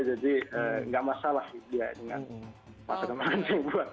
jadi nggak masalah dia dengan masakan nasi goreng